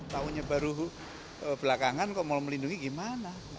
tahunya baru belakangan kok mau melindungi gimana